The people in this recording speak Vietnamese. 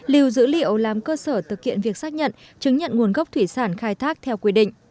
lưu dữ liệu làm cơ sở thực hiện việc xác nhận chứng nhận nguồn gốc thủy sản khai thác theo quy định